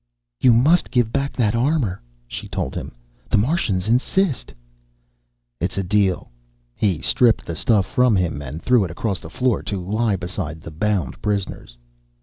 "You must give back that armor," she told him. "The Martians insist." "It's a deal." He stripped the stuff from him and threw it across the floor to lie beside the bound prisoners.